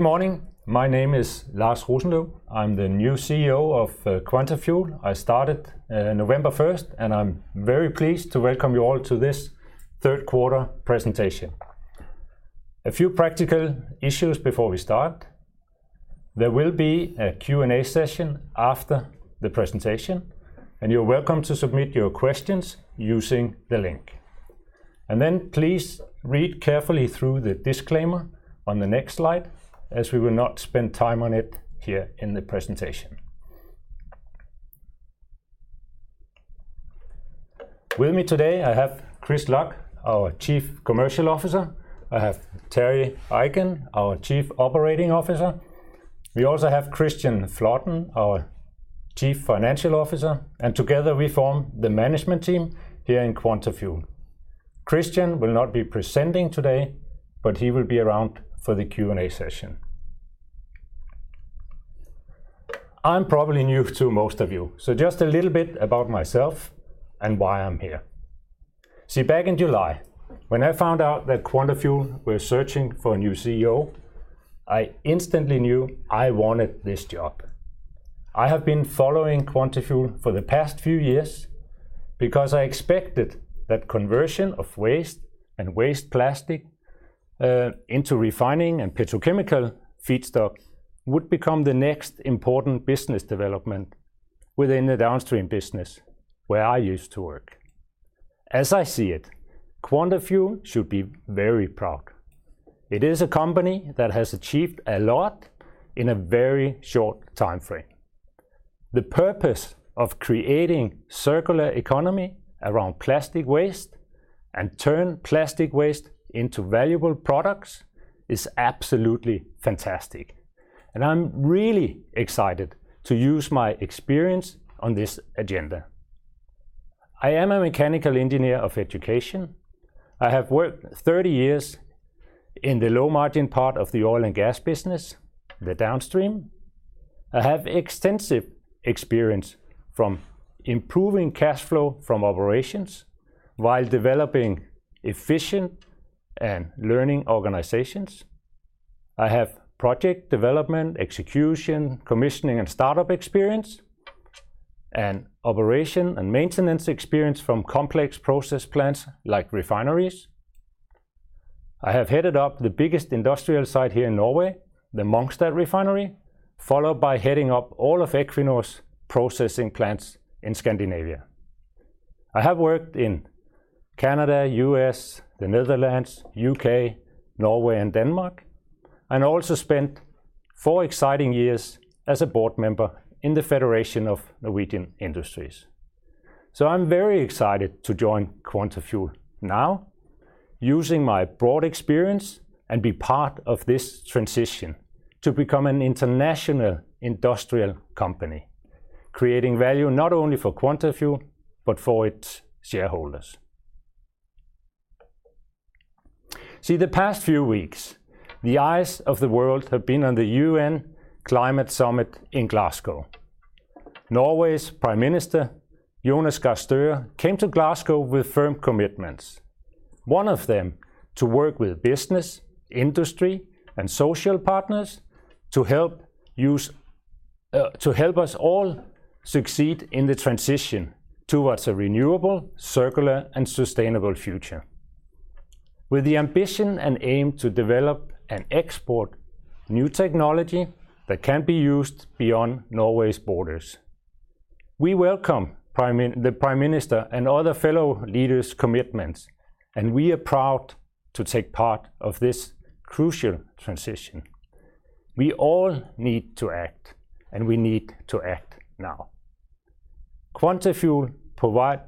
Good morning. My name is Lars Rosenløv. I'm the new CEO of Quantafuel. I started November 1st, and I'm very pleased to welcome you all to this third quarter presentation. A few practical issues before we start. There will be a Q&A session after the presentation, and you're welcome to submit your questions using the link. Please read carefully through the disclaimer on the next slide, as we will not spend time on it here in the presentation. With me today, I have Chris Lach, our Chief Commercial Officer. I have Terje Eiken, our Chief Operating Officer. We also have Kristian Flaten, our Chief Financial Officer, and together we form the management team here in Quantafuel. Kristian will not be presenting today, but he will be around for the Q&A session. I'm probably new to most of you, so just a little bit about myself and why I'm here. See, back in July, when I found out that Quantafuel were searching for a new CEO, I instantly knew I wanted this job. I have been following Quantafuel for the past few years because I expected that conversion of waste and waste plastic into refining and petrochemical feedstock would become the next important business development within the downstream business where I used to work. As I see it, Quantafuel should be very proud. It is a company that has achieved a lot in a very short timeframe. The purpose of creating circular economy around plastic waste and turn plastic waste into valuable products is absolutely fantastic, and I'm really excited to use my experience on this agenda. I am a mechanical engineer of education. I have worked 30 years in the low-margin part of the oil and gas business, the downstream. I have extensive experience from improving cash flow from operations while developing efficient and learning organizations. I have project development, execution, commissioning, and startup experience, and operation and maintenance experience from complex process plants like refineries. I have headed up the biggest industrial site here in Norway, the Mongstad Refinery, followed by heading up all of Equinor's processing plants in Scandinavia. I have worked in Canada, U.S., the Netherlands, U.K., Norway, and Denmark, and also spent four exciting years as a board member in the Federation of Norwegian Industries. I'm very excited to join Quantafuel now, using my broad experience and be part of this transition to become an international industrial company, creating value not only for Quantafuel, but for its shareholders. See, the past few weeks, the eyes of the world have been on the UN Climate Summit in Glasgow. Norway's Prime Minister, Jonas Gahr Støre, came to Glasgow with firm commitments. One of them to work with business, industry, and social partners to help us all succeed in the transition towards a renewable, circular, and sustainable future with the ambition and aim to develop and export new technology that can be used beyond Norway's borders. We welcome the Prime Minister and other fellow leaders' commitments, and we are proud to take part of this crucial transition. We all need to act, and we need to act now. Quantafuel provide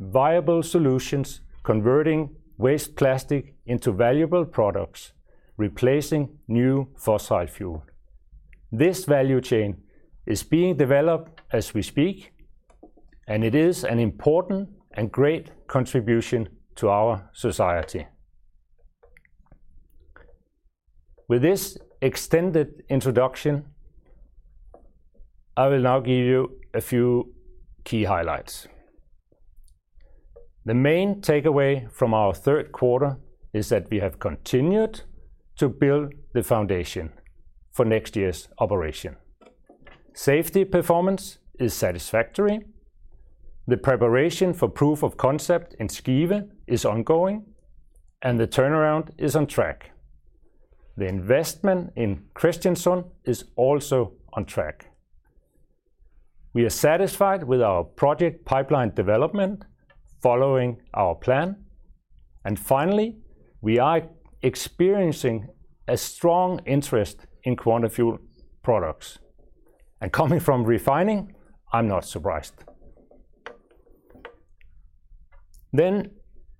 viable solutions, converting waste plastic into valuable products, replacing new fossil fuel. This value chain is being developed as we speak, and it is an important and great contribution to our society. With this extended introduction, I will now give you a few key highlights. The main takeaway from our third quarter is that we have continued to build the foundation for next year's operation. Safety performance is satisfactory. The preparation for proof of concept in Skive is ongoing, and the turnaround is on track. The investment in Kristiansund is also on track. We are satisfied with our project pipeline development following our plan. Finally, we are experiencing a strong interest in Quantafuel products, and coming from refining, I'm not surprised.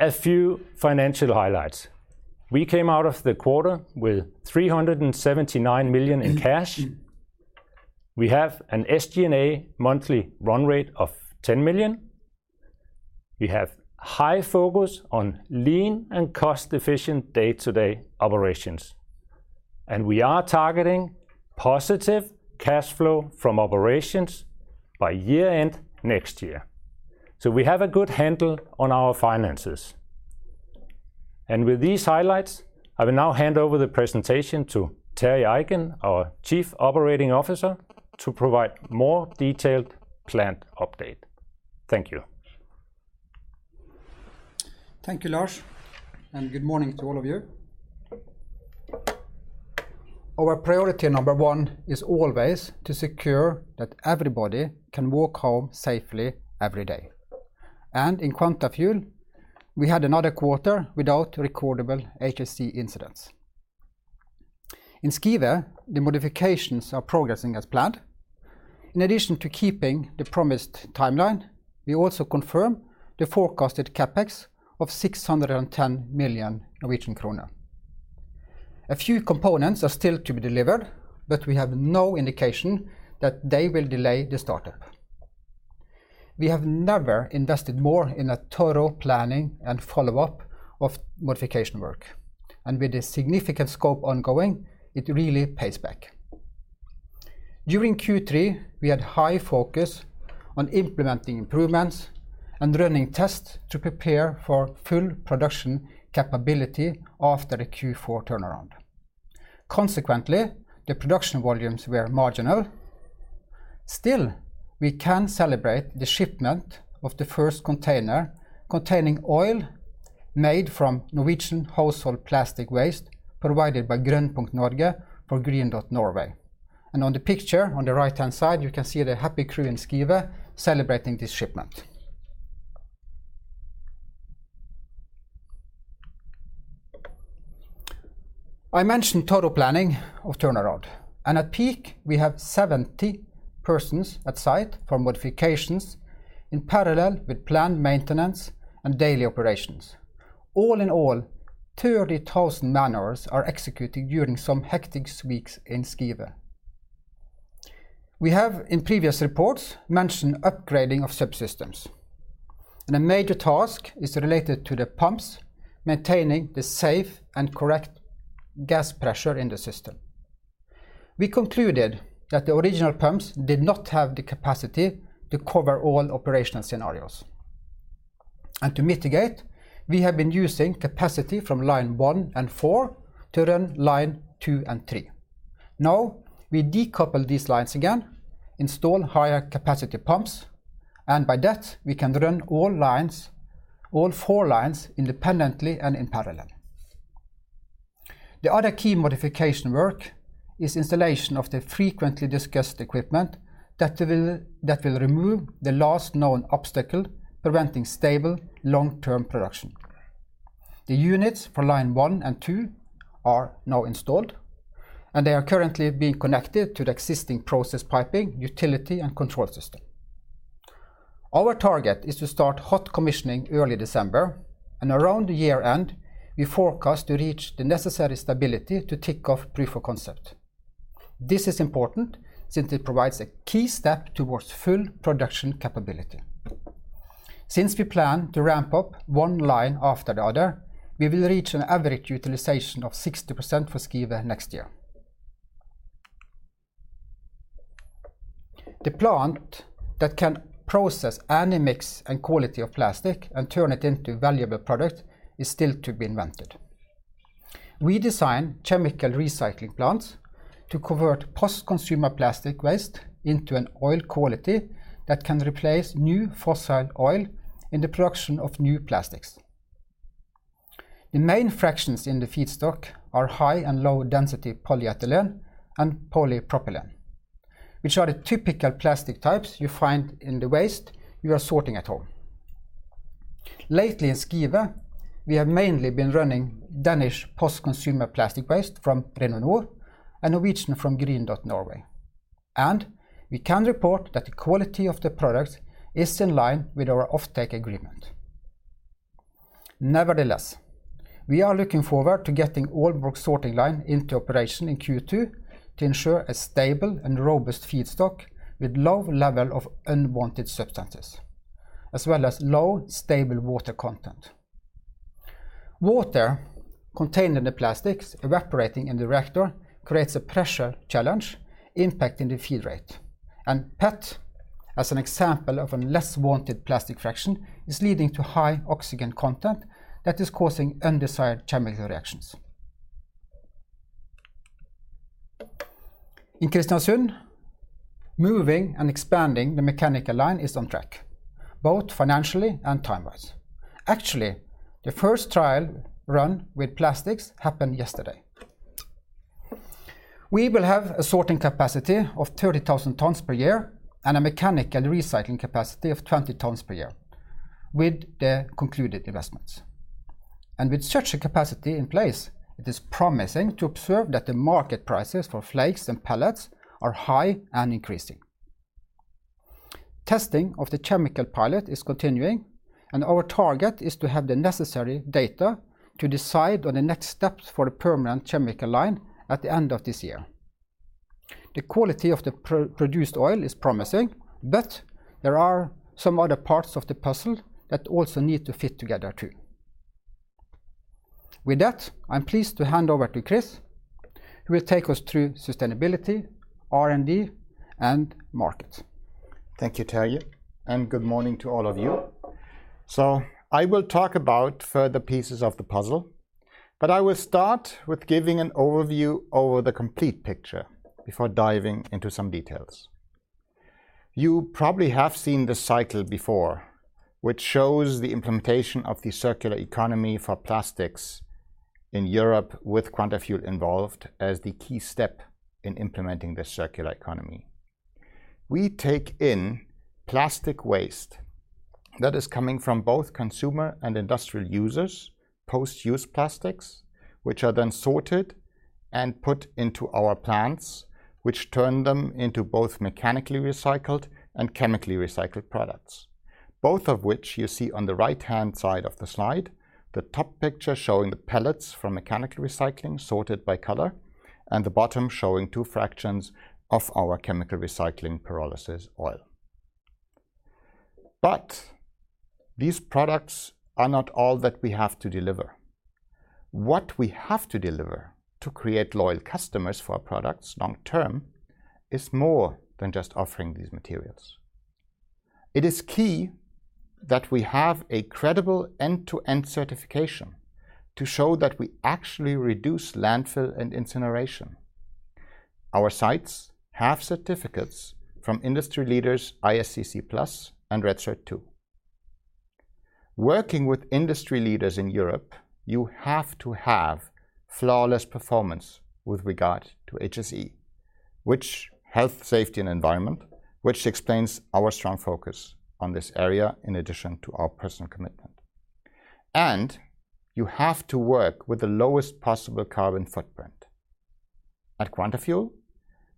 A few financial highlights. We came out of the quarter with 379 million in cash. We have an SG&A monthly run rate of 10 million. We have high focus on lean and cost-efficient day-to-day operations, and we are targeting positive cash flow from operations by year-end next year. We have a good handle on our finances. With these highlights, I will now hand over the presentation to Terje Eiken, our Chief Operating Officer, to provide more detailed plant update. Thank you. Thank you, Lars, and good morning to all of you. Our priority number one is always to secure that everybody can walk home safely every day. In Quantafuel, we had another quarter without recordable HSE incidents. In Skive, the modifications are progressing as planned. In addition to keeping the promised timeline, we also confirm the forecasted CapEx of 610 million Norwegian kroner. A few components are still to be delivered, but we have no indication that they will delay the startup. We have never invested more in a total planning and follow-up of modification work, and with the significant scope ongoing, it really pays back. During Q3, we had high focus on implementing improvements and running tests to prepare for full production capability after the Q4 turnaround. Consequently, the production volumes were marginal. Still, we can celebrate the shipment of the first container containing oil made from Norwegian household plastic waste provided by Grønt Punkt Norge for Green Dot Norway. On the picture on the right-hand side, you can see the happy crew in Skive celebrating this shipment. I mentioned total planning of turnaround, and at peak, we have 70 persons at site for modifications in parallel with planned maintenance and daily operations. All in all, 30,000 man-hours are executed during some hectic weeks in Skive. We have in previous reports mentioned upgrading of subsystems, and a major task is related to the pumps maintaining the safe and correct gas pressure in the system. We concluded that the original pumps did not have the capacity to cover all operational scenarios. To mitigate, we have been using capacity from line 1 and 4 to run line 2 and 3. Now, we decouple these lines again, install higher capacity pumps, and by that, we can run all lines, all four lines independently and in parallel. The other key modification work is installation of the frequently discussed equipment that will remove the last known obstacle preventing stable long-term production. The units for line one and two are now installed, and they are currently being connected to the existing process piping, utility, and control system. Our target is to start hot commissioning early December, and around year-end, we forecast to reach the necessary stability to tick off proof of concept. This is important since it provides a key step towards full production capability. Since we plan to ramp up one line after the other, we will reach an average utilization of 60% for Skive next year. The plant that can process any mix and quality of plastic and turn it into valuable product is still to be invented. We design chemical recycling plants to convert post-consumer plastic waste into an oil quality that can replace new fossil oil in the production of new plastics. The main fractions in the feedstock are high and low-density polyethylene and polypropylene, which are the typical plastic types you find in the waste you are sorting at home. Lately in Skive, we have mainly been running Danish post-consumer plastic waste from RenoNord and Norwegian from Green Dot Norway. We can report that the quality of the product is in line with our offtake agreement. Nevertheless, we are looking forward to getting all Aalborg sorting line into operation in Q2 to ensure a stable and robust feedstock with low level of unwanted substances, as well as low, stable water content. Water contained in the plastics evaporating in the reactor creates a pressure challenge impacting the feed rate. PET, as an example of a less wanted plastic fraction, is leading to high oxygen content that is causing undesired chemical reactions. In Kristiansund, moving and expanding the mechanical line is on track, both financially and time-wise. Actually, the first trial run with plastics happened yesterday. We will have a sorting capacity of 30,000 tons per year and a mechanical recycling capacity of 20 tons per year with the concluded investments. With such a capacity in place, it is promising to observe that the market prices for flakes and pellets are high and increasing. Testing of the chemical pilot is continuing, and our target is to have the necessary data to decide on the next steps for the permanent chemical line at the end of this year. The quality of the produced oil is promising, but there are some other parts of the puzzle that also need to fit together too. With that, I'm pleased to hand over to Chris, who will take us through sustainability, R&D, and market. Thank you, Terje, and good morning to all of you. I will talk about further pieces of the puzzle, but I will start with giving an overview over the complete picture before diving into some details. You probably have seen this cycle before, which shows the implementation of the circular economy for plastics in Europe with Quantafuel involved as the key step in implementing the circular economy. We take in plastic waste that is coming from both consumer and industrial users, post-use plastics, which are then sorted and put into our plants, which turn them into both mechanically recycled and chemically recycled products, both of which you see on the right-hand side of the slide, the top picture showing the pellets from mechanical recycling sorted by color, and the bottom showing two fractions of our chemical recycling pyrolysis oil. These products are not all that we have to deliver. What we have to deliver to create loyal customers for our products long term is more than just offering these materials. It is key that we have a credible end-to-end certification to show that we actually reduce landfill and incineration. Our sites have certificates from industry leaders ISCC PLUS and REDcert². Working with industry leaders in Europe, you have to have flawless performance with regard to HSE, which health, safety and environment explains our strong focus on this area in addition to our personal commitment. You have to work with the lowest possible carbon footprint. At Quantafuel,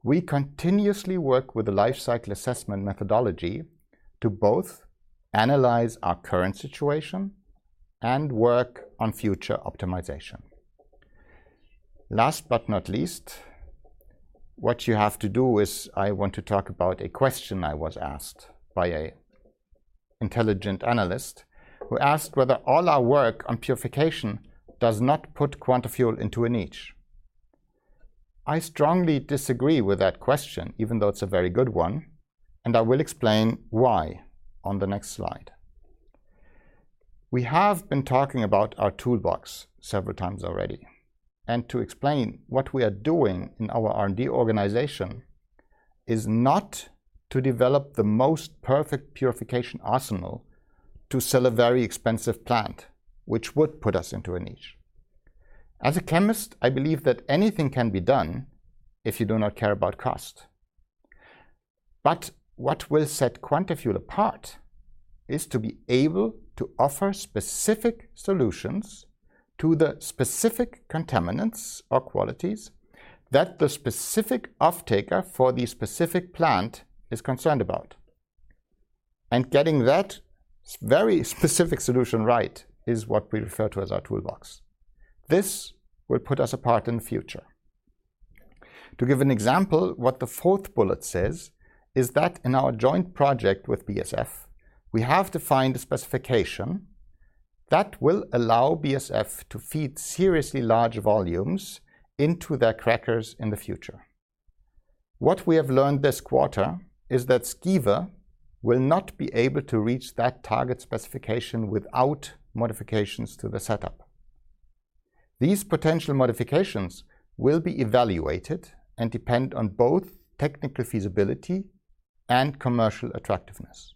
we continuously work with the life cycle assessment methodology to both analyze our current situation and work on future optimization. Last but not least, what you have to do is I want to talk about a question I was asked by an intelligent analyst who asked whether all our work on purification does not put Quantafuel into a niche. I strongly disagree with that question, even though it's a very good one, and I will explain why on the next slide. We have been talking about our toolbox several times already, and to explain what we are doing in our R&D organization is not to develop the most perfect purification arsenal to sell a very expensive plant, which would put us into a niche. As a chemist, I believe that anything can be done if you do not care about cost. What will set Quantafuel apart is to be able to offer specific solutions to the specific contaminants or qualities that the specific offtaker for the specific plant is concerned about. Getting that very specific solution right is what we refer to as our toolbox. This will put us apart in the future. To give an example, what the fourth bullet says is that in our joint project with BASF, we have defined a specification that will allow BASF to feed seriously large volumes into their crackers in the future. What we have learned this quarter is that Skive will not be able to reach that target specification without modifications to the setup. These potential modifications will be evaluated and depend on both technical feasibility and commercial attractiveness.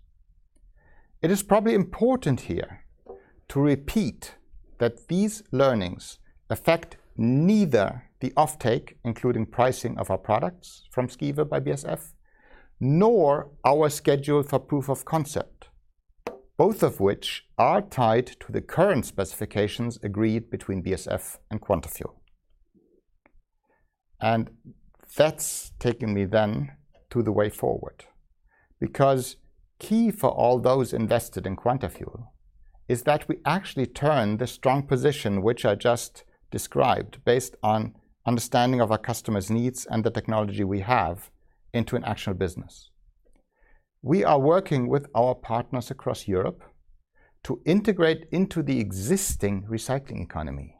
It is probably important here to repeat that these learnings affect neither the offtake, including pricing of our products from Skive by BASF, nor our schedule for Proof of Concept, both of which are tied to the current specifications agreed between BASF and Quantafuel. That's taken me then to the way forward, because key for all those invested in Quantafuel is that we actually turn the strong position, which I just described based on understanding of our customers' needs and the technology we have, into an actual business. We are working with our partners across Europe to integrate into the existing recycling economy,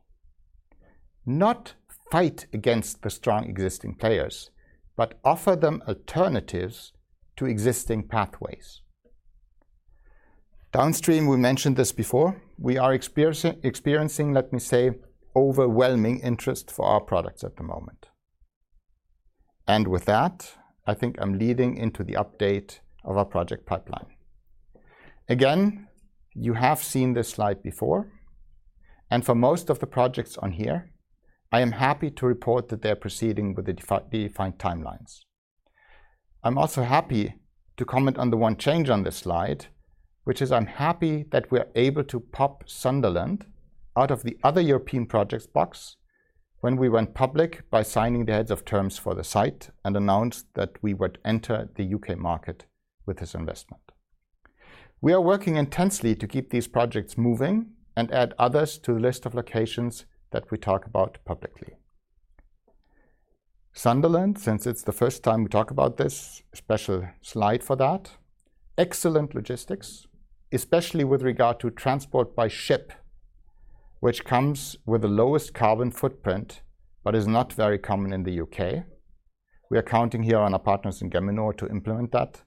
not fight against the strong existing players, but offer them alternatives to existing pathways. Downstream, we mentioned this before, we are experiencing, let me say, overwhelming interest for our products at the moment. With that, I think I'm leading into the update of our project pipeline. Again, you have seen this slide before, and for most of the projects on here, I am happy to report that they are proceeding with the defined timelines. I'm also happy to comment on the one change on this slide, which is I'm happy that we are able to pop Sunderland out of the other European projects box when we went public by signing the heads of terms for the site and announced that we would enter the U.K. market with this investment. We are working intensely to keep these projects moving and add others to the list of locations that we talk about publicly. Sunderland, since it's the first time we talk about this, a special slide for that. Excellent logistics, especially with regard to transport by ship, which comes with the lowest carbon footprint, but is not very common in the U.K. We are counting here on our partners in Geminor to implement that,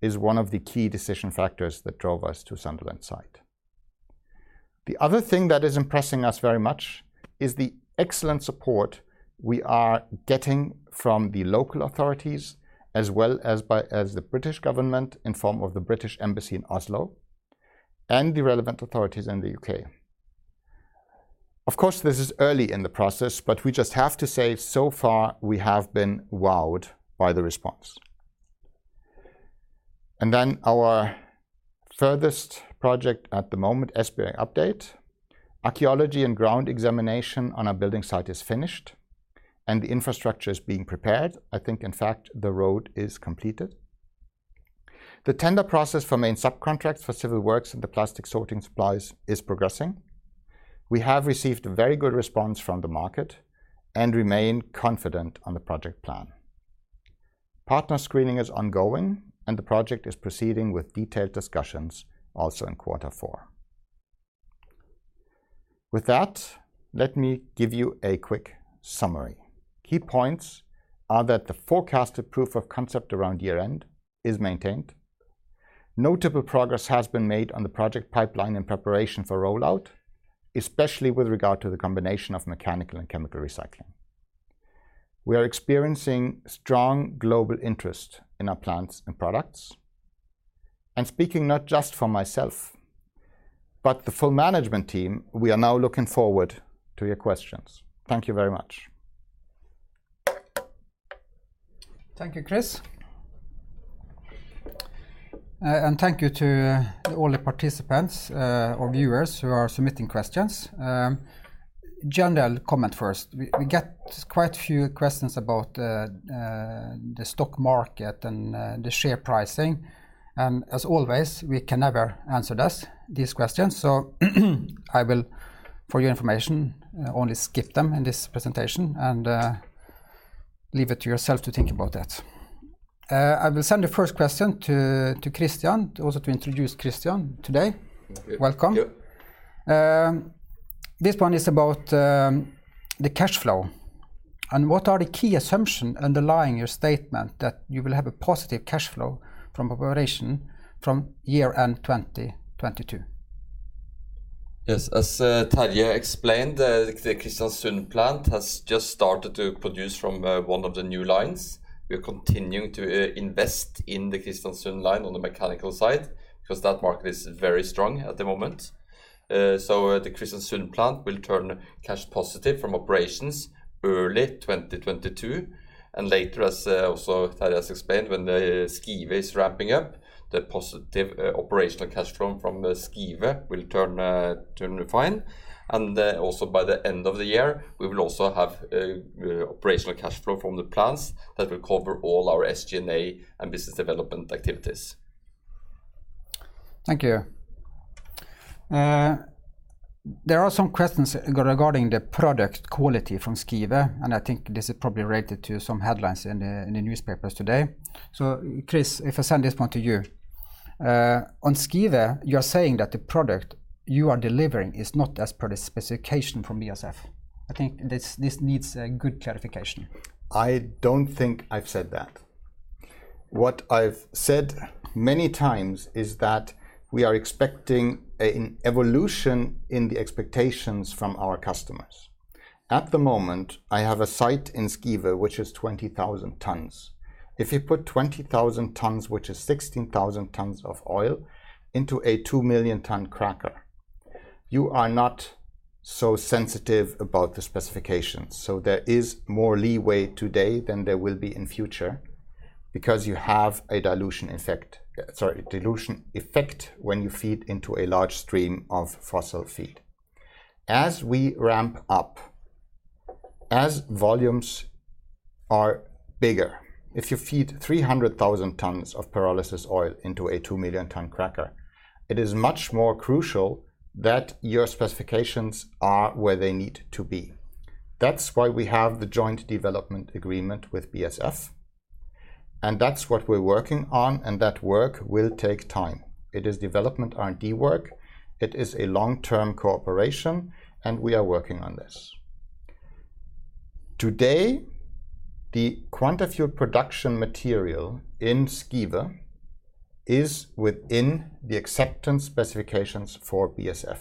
is one of the key decision factors that drove us to Sunderland site. The other thing that is impressing us very much is the excellent support we are getting from the local authorities as well as by the British government in the form of the British Embassy in Oslo and the relevant authorities in the U.K. Of course, this is early in the process, but we just have to say, so far we have been wowed by the response. Our first project at the moment, Esbjerg update. Archaeology and ground examination on our building site is finished, and the infrastructure is being prepared. I think, in fact, the road is completed. The tender process for main subcontracts for civil works and the plastic sorting supplies is progressing. We have received very good response from the market and remain confident on the project plan. Partner screening is ongoing, and the project is proceeding with detailed discussions also in quarter four. With that, let me give you a quick summary. Key points are that the forecasted proof of concept around year-end is maintained. Notable progress has been made on the project pipeline in preparation for rollout, especially with regard to the combination of mechanical and chemical recycling. We are experiencing strong global interest in our plants and products. Speaking not just for myself, but the full management team, we are now looking forward to your questions. Thank you very much. Thank you, Chris. Thank you to all the participants, or viewers who are submitting questions. General comment first. We get quite a few questions about the stock market and the share pricing. As always, we can never answer these questions. I will, for your information, only skip them in this presentation and leave it to yourself to think about that. I will send the first question to Kristian, also to introduce Kristian today. Thank you. Welcome. Yep. This one is about the cash flow and what are the key assumption underlying your statement that you will have a positive cash flow from operation from year-end 2022? Yes. As Terje explained, the Kristiansund plant has just started to produce from one of the new lines. We are continuing to invest in the Kristiansund line on the mechanical side because that market is very strong at the moment. The Kristiansund plant will turn cash positive from operations early 2022 and later as also Terje has explained, when the Skive is ramping up, the positive operational cash flow from Skive will turn fine. Also by the end of the year, we will also have operational cash flow from the plants that will cover all our SG&A and business development activities. Thank you. There are some questions regarding the product quality from Skive, and I think this is probably related to some headlines in the newspapers today. Chris, if I send this one to you, on Skive, you're saying that the product you are delivering is not as per the specification from BASF. I think this needs a good clarification. I don't think I've said that. What I've said many times is that we are expecting an evolution in the expectations from our customers. At the moment, I have a site in Skive which is 20,000 tons. If you put 20,000 tons, which is 16,000 tons of oil, into a 2,000,000-ton cracker, you are not so sensitive about the specifications. There is more leeway today than there will be in future because you have a dilution effect when you feed into a large stream of fossil feed. As we ramp up, as volumes are bigger, if you feed 300,000 tons of pyrolysis oil into a 2,000,000-ton cracker, it is much more crucial that your specifications are where they need to be. That's why we have the joint development agreement with BASF, and that's what we're working on, and that work will take time. It is development R&D work. It is a long-term cooperation, and we are working on this. Today, the Quantafuel production material in Skive is within the acceptance specifications for BASF,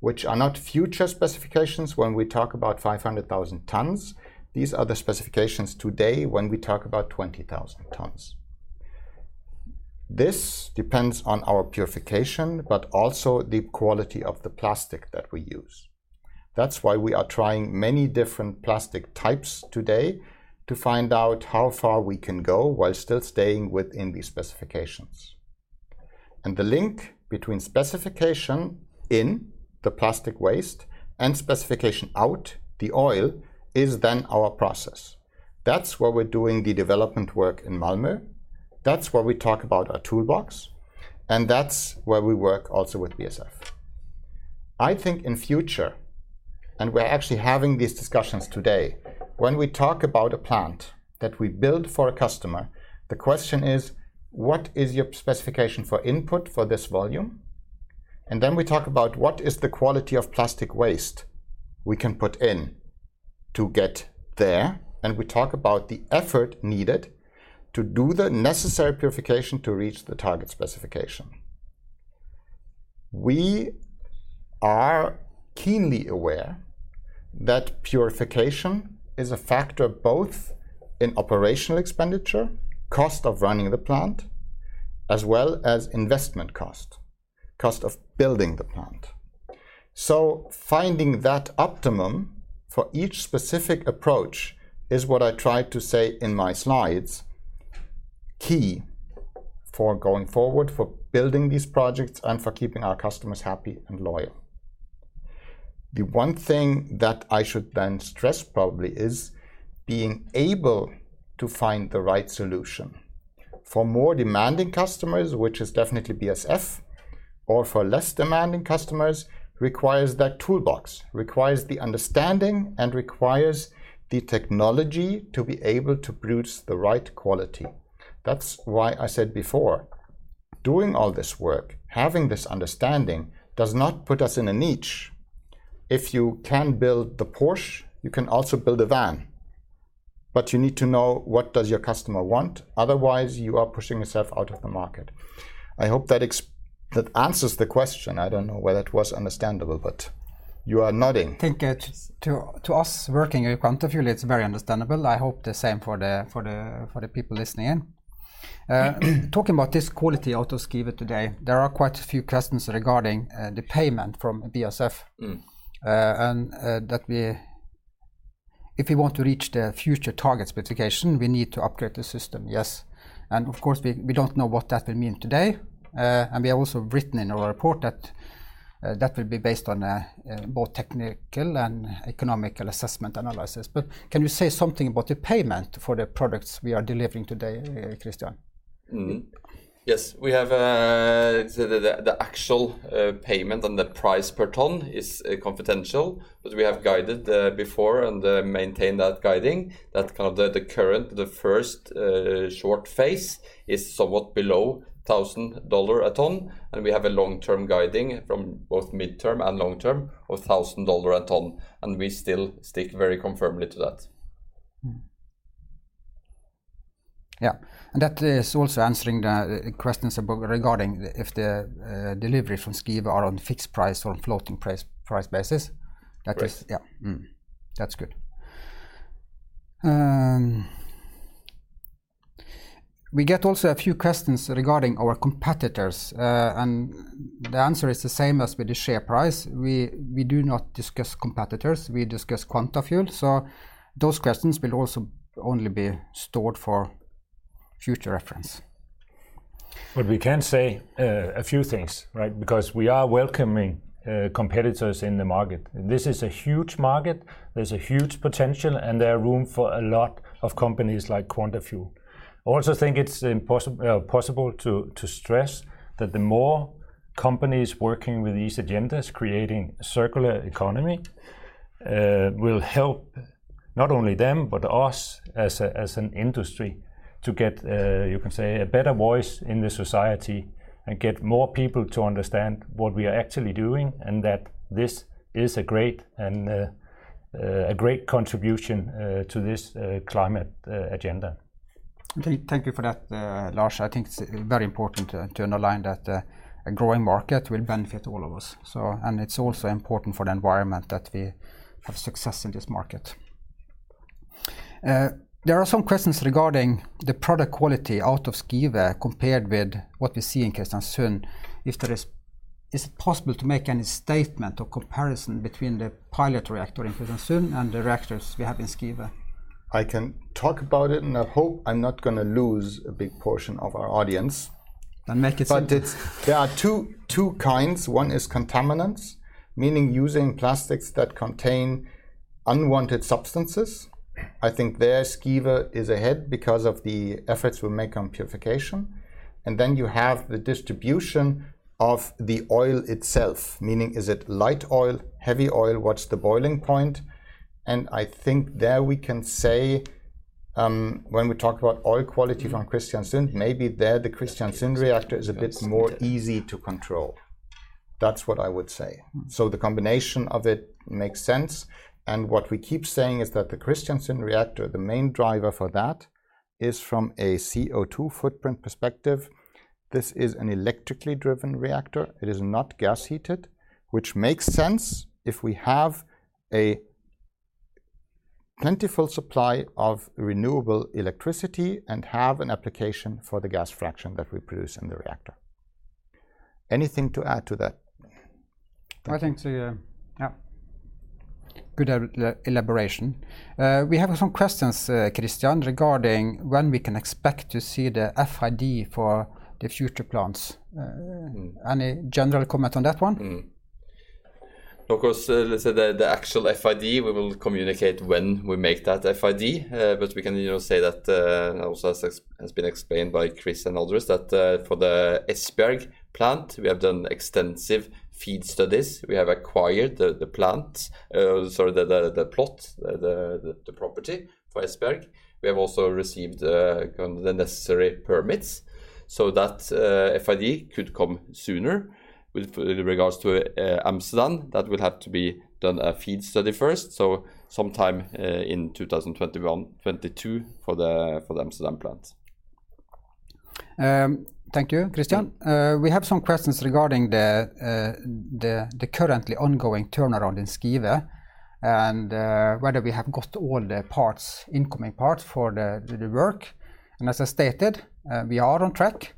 which are not future specifications when we talk about 500,000 tons. These are the specifications today when we talk about 20,000 tons. This depends on our purification, but also the quality of the plastic that we use. That's why we are trying many different plastic types today to find out how far we can go while still staying within these specifications. The link between specification in the plastic waste and specification of the oil is then our process. That's where we're doing the development work in Malmö, that's where we talk about our toolbox, and that's where we work also with BASF. I think in future, and we're actually having these discussions today, when we talk about a plant that we build for a customer, the question is, what is your specification for input for this volume? We talk about what is the quality of plastic waste we can put in to get there, and we talk about the effort needed to do the necessary purification to reach the target specification. We are keenly aware that purification is a factor both in operational expenditure, cost of running the plant, as well as investment cost, cost of building the plant. Finding that optimum for each specific approach is what I tried to say in my slides, key for going forward, for building these projects, and for keeping our customers happy and loyal. The one thing that I should then stress probably is being able to find the right solution. For more demanding customers, which is definitely BASF, or for less demanding customers, requires that toolbox, requires the understanding, and requires the technology to be able to produce the right quality. That's why I said before, doing all this work, having this understanding, does not put us in a niche. If you can build the Porsche, you can also build a van, but you need to know what does your customer want, otherwise you are pushing yourself out of the market. I hope that that answers the question. I don't know whether it was understandable, but you are nodding. Think it's to us working in Quantafuel, it's very understandable. I hope the same for the people listening in. Talking about this quality out of Skive today, there are quite a few questions regarding the payment from BASF. If we want to reach the future target specification, we need to upgrade the system, yes. Of course, we don't know what that will mean today. We also written in our report that that will be based on both technical and economical assessment analysis. Can you say something about the payment for the products we are delivering today, Kristian? Yes. We have the actual payment and the price per ton is confidential, but we have guided before and maintain that guiding. That's kind of the current first short phase is somewhat below $1,000 a ton, and we have a long-term guiding from both midterm and long-term of $1,000 a ton, and we still stick very firmly to that. That is also answering the questions regarding if the delivery from Skive are on fixed price or floating price basis? That is, yeah. That's good. We get also a few questions regarding our competitors, and the answer is the same as with the share price. We do not discuss competitors. We discuss Quantafuel. Those questions will also only be stored for future reference. We can say a few things, right? Because we are welcoming competitors in the market. This is a huge market. There's a huge potential, and there are room for a lot of companies like Quantafuel. I also think it's possible to stress that the more companies working with these agendas, creating circular economy, will help not only them but us as an industry to get you can say, a better voice in the society and get more people to understand what we are actually doing and that this is a great contribution to this climate agenda. Thank you for that, Lars. I think it's very important to underline that a growing market will benefit all of us, so and it's also important for the environment that we have success in this market. There are some questions regarding the product quality out of Skive compared with what we see in Kristiansund. Is it possible to make any statement or comparison between the pilot reactor in Kristiansund and the reactors we have in Skive? I can talk about it, and I hope I'm not gonna lose a big portion of our audience. Make it simple. It's there are two kinds. One is contaminants, meaning using plastics that contain unwanted substances. I think there Skive is ahead because of the efforts we make on purification. Then you have the distribution of the oil itself, meaning is it light oil, heavy oil? What's the boiling point? I think there we can say, when we talk about oil quality from Kristiansund, maybe there the Kristiansund reactor is a bit more easy to control. That's what I would say. The combination of it makes sense, and what we keep saying is that the Kristiansund reactor, the main driver for that is from a CO2 footprint perspective. This is an electrically driven reactor. It is not gas heated, which makes sense if we have a plentiful supply of renewable electricity and have an application for the gas fraction that we produce in the reactor. Anything to add to that? I think so, yeah. Yeah. Good elaboration. We have some questions, Kristian, regarding when we can expect to see the FID for the future plants. Any general comment on that one? Of course, let's say the actual FID, we will communicate when we make that FID. But we can, you know, say that, also as has been explained by Chris and others, that, for the Esbjerg plant, we have done extensive FEED studies. We have acquired the property for Esbjerg. We have also received the necessary permits so that FID could come sooner. With regards to Amsterdam, that will have to be done a FEED study first. Sometime in 2021, 2022 for the Amsterdam plant. Thank you, Kristian. We have some questions regarding the currently ongoing turnaround in Skive and whether we have got all the parts, incoming parts for the work. As I stated, we are on track.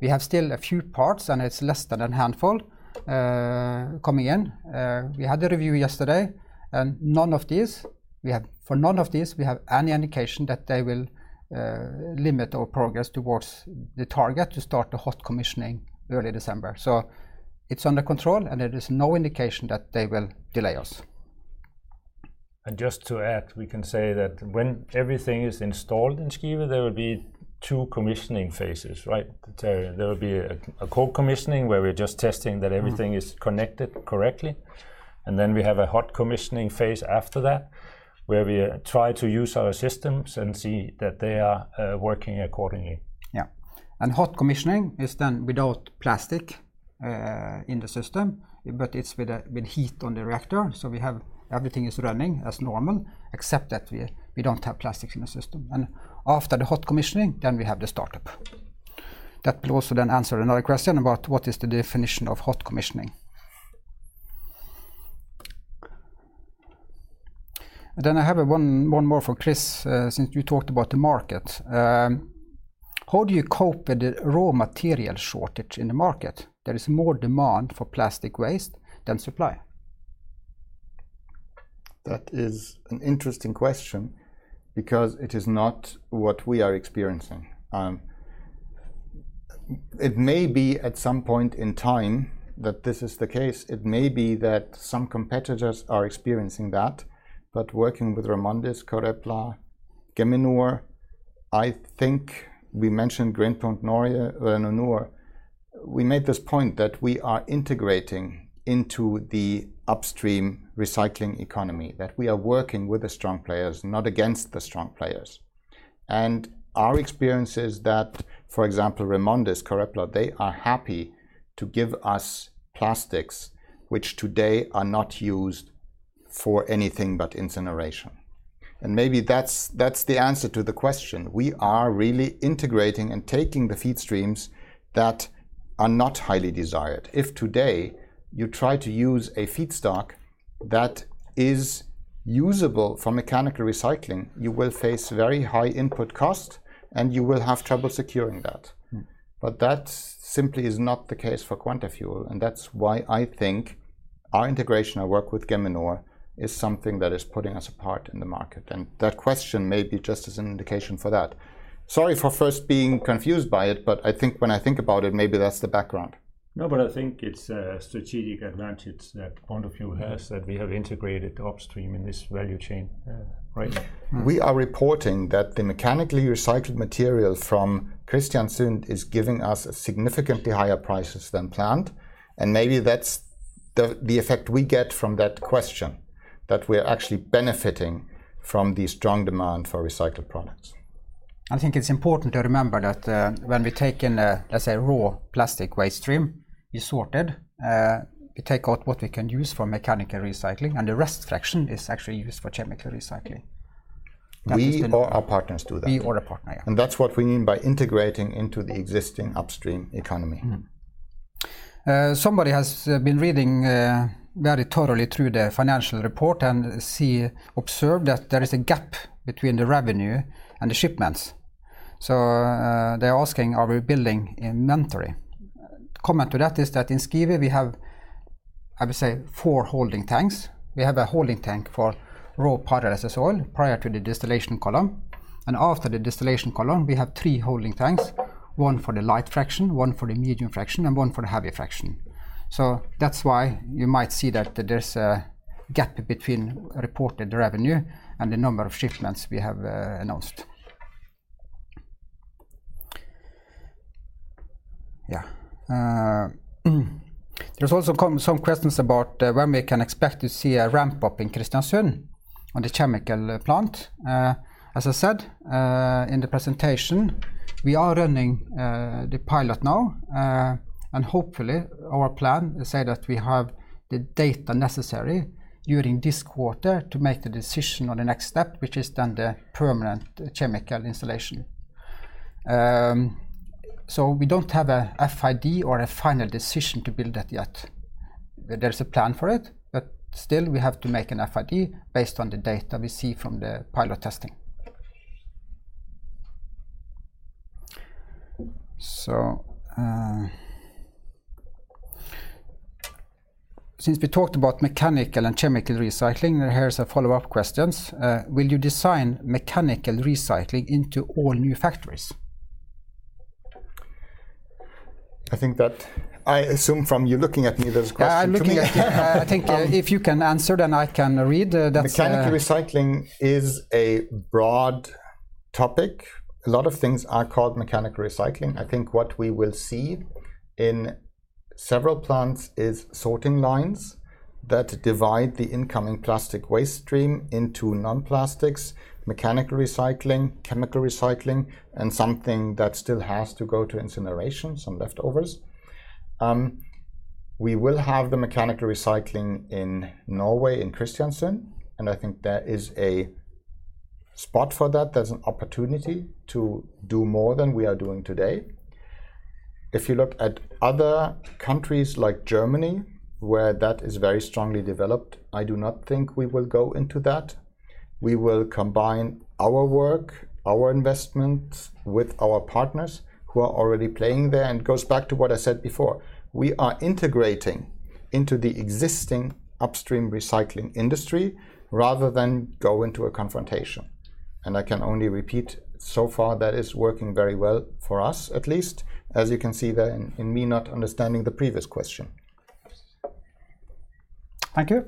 We have still a few parts, and it's less than a handful coming in. We had the review yesterday, and for none of these, we have any indication that they will limit our progress towards the target to start the hot commissioning early December. It's under control, and there is no indication that they will delay us. Just to add, we can say that when everything is installed in Skive, there will be two commissioning phases, right, Terje? There will be a cold commissioning where we're just testing that everything is connected correctly, and then we have a hot commissioning phase after that where we try to use our systems and see that they are working accordingly. Yeah. Hot commissioning is done without plastic in the system, but it's with heat on the reactor. We have everything is running as normal except that we don't have plastic in the system. After the hot commissioning, we have the startup. That will also then answer another question about what is the definition of hot commissioning. I have one more for Chris, since you talked about the market. How do you cope with the raw material shortage in the market? There is more demand for plastic waste than supply. That is an interesting question because it is not what we are experiencing. It may be at some point in time that this is the case. It may be that some competitors are experiencing that. Working with REMONDIS, Corepla, Geminor, I think we mentioned Green Dot Norway. We made this point that we are integrating into the upstream recycling economy, that we are working with the strong players, not against the strong players. Our experience is that, for example, REMONDIS, Corepla, they are happy to give us plastics which today are not used for anything but incineration. Maybe that's the answer to the question. We are really integrating and taking the feed streams that are not highly desired. If today you try to use a feedstock that is usable for mechanical recycling, you will face very high input cost, and you will have trouble securing that. That simply is not the case for Quantafuel, and that's why I think our integration and work with Geminor is something that is putting us apart in the market. That question may be just as an indication for that. Sorry for first being confused by it, but I think when I think about it, maybe that's the background. No, but I think it's a strategic advantage that Quantafuel has that we have integrated upstream in this value chain right now. We are reporting that the mechanically recycled material from Kristiansund is giving us significantly higher prices than planned, and maybe that's the effect we get from that question, that we're actually benefiting from the strong demand for recycled products. I think it's important to remember that, when we take in a, let's say, raw plastic waste stream, we sort it. We take out what we can use for mechanical recycling, and the rest fraction is actually used for chemical recycling. We or our partners do that. We or a partner, yeah. That's what we mean by integrating into the existing upstream economy. Somebody has been reading very thoroughly through the financial report and she observed that there is a gap between the revenue and the shipments. They're asking, are we building inventory? Comment to that is that in Skive we have, I would say, four holding tanks. We have a holding tank for raw pyrolysis oil prior to the distillation column, and after the distillation column we have three holding tanks, one for the light fraction, one for the medium fraction, and one for the heavy fraction. That's why you might see that there's a gap between reported revenue and the number of shipments we have announced. There have also come some questions about when we can expect to see a ramp-up in Kristiansund on the chemical plant. As I said, in the presentation, we are running the pilot now. Hopefully our plan say that we have the data necessary during this quarter to make the decision on the next step, which is then the permanent chemical installation. We don't have a FID or a final decision to build that yet. There's a plan for it, but still we have to make an FID based on the data we see from the pilot testing. Since we talked about mechanical and chemical recycling, here is a follow-up questions. Will you design mechanical recycling into all new factories? I assume from you looking at me there's a question to me. I'm looking at you. I think if you can answer, then I can read that. Mechanical recycling is a broad topic. A lot of things are called mechanical recycling. I think what we will see in several plants is sorting lines that divide the incoming plastic waste stream into non-plastics, mechanical recycling, chemical recycling, and something that still has to go to incineration, some leftovers. We will have the mechanical recycling in Norway, in Kristiansund, and I think there is a spot for that. There's an opportunity to do more than we are doing today. If you look at other countries like Germany, where that is very strongly developed, I do not think we will go into that. We will combine our work, our investments with our partners who are already playing there, and it goes back to what I said before. We are integrating into the existing upstream recycling industry rather than go into a confrontation, and I can only repeat, so far that is working very well, for us at least, as you can see there in me not understanding the previous question. Thank you.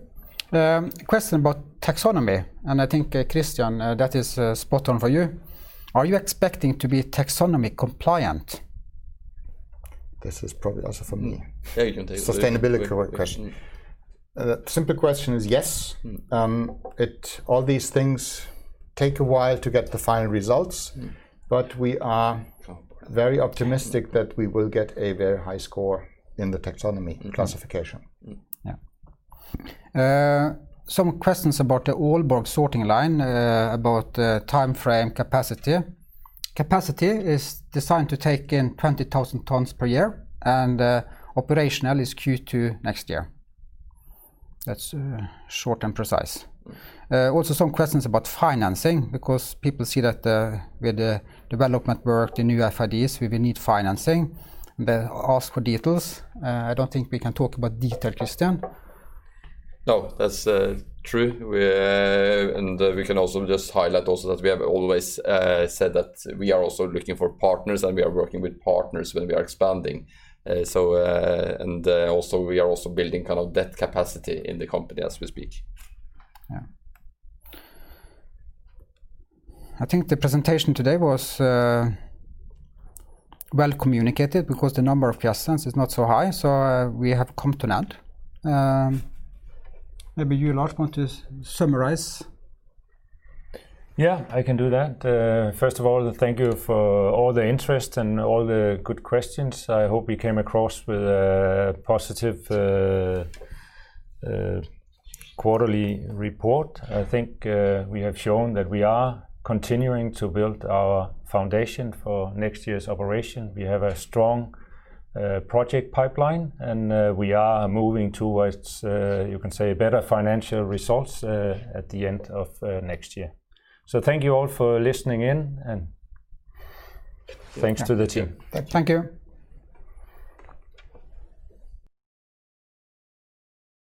Question about taxonomy, and I think, Kristian, that is spot on for you. Are you expecting to be taxonomy compliant? This is probably also for me. There you can take the lead. Sustainability question. The simple question is yes. All these things take a while to get the final results. We are very optimistic that we will get a very high score in the taxonomy classification. Yeah. Some questions about the Aalborg sorting line, about the timeframe capacity. Capacity is designed to take in 20,000 tons per year, and operational is Q2 next year. That's short and precise. Also some questions about financing because people see that, with the development work, the new FIDs, we will need financing. They ask for details. I don't think we can talk about detail, Kristian. No, that's true. We can also just highlight also that we have always said that we are also looking for partners, and we are working with partners when we are expanding. Also we are also building kind of that capacity in the company as we speak. Yeah. I think the presentation today was well communicated because the number of questions is not so high, so we have come to an end. Maybe you, Lars, want to summarize? Yeah, I can do that. First of all, thank you for all the interest and all the good questions. I hope we came across with a positive quarterly report. I think we have shown that we are continuing to build our foundation for next year's operation. We have a strong project pipeline, and we are moving towards you can say better financial results at the end of next year. Thank you all for listening in, and thanks to the team. Thank you.